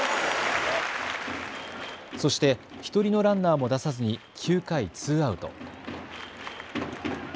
そして１人のランナーも出さずに９回ツーアウト。